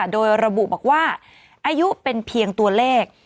โดยระบุบอกว่าอายุเป็นเพียงตัวเลข